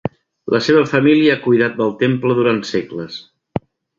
La seva família ha cuidat del temple durant segles.